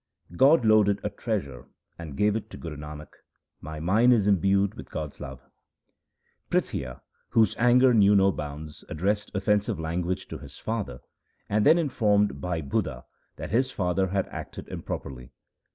God loaded a treasure, and gave it to Guru Nanak ; my mind is imbued with God's love. 1 Prithia, whose anger knew no bounds, addressed offensive language to his father, and then informed Bhai Budha that his father had acted improperly.